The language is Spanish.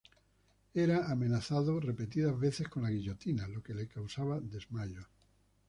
Era amenazado repetidas veces con la guillotina, lo que le causaba desmayos.